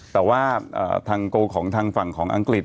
แต่ว่าทางฝั่งของอังกฤษ